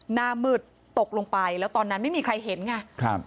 หน้ามืดตกลงไปแล้วตอนนั้นไม่มีใครเห็นไงครับ